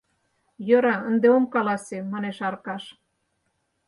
— Йӧра, ынде ом каласе, — манеш Аркаш.